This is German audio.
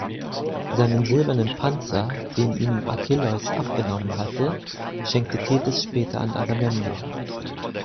Seinen silbernen Panzer, den ihm Achilleus abgenommen hatte, schenkte Thetis später an Agamemnon.